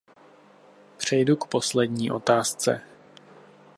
Přejdu k poslední otázce.